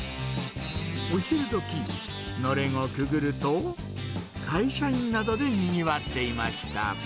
お昼どき、のれんをくぐると、会社員などでにぎわっていました。